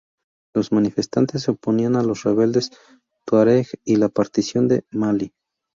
Los manifestantes se oponían a los rebeldes tuareg y la partición de Malí.